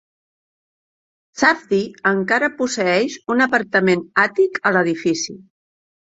Safdie encara posseeix un apartament Àtic a l'edifici.